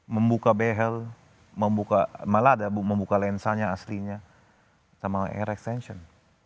membuka behel membuka malah ada membuka lensanya aslinya sama air extension